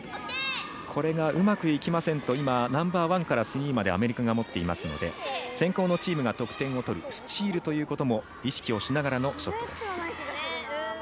これがうまくいきませんと今、ナンバーワンからスリーまでアメリカが持っていますので先攻のチームが得点を取るスチールということも意識をしながらのショットです。